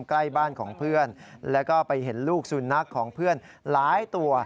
ใกล้บ้านของเพื่อนแล้วก็ไปเห็นลูกสุนัขของเพื่อนหลายตัว